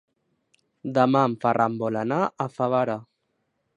Demà en Ferran vol anar a Favara.